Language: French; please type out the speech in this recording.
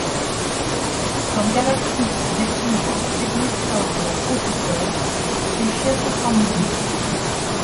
Quand Galactus découvre l'existence de la Contre-Terre, il cherche à s'en nourrir.